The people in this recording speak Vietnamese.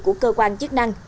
của cơ quan chức năng